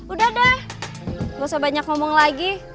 udah deh gak usah banyak ngomong lagi